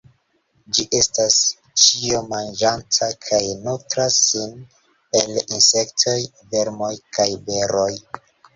Ĝi estas ĉiomanĝanta, kaj nutras sin el insektoj, vermoj kaj beroj.